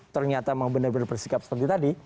ternyata memang benar benar bersikap seperti tadi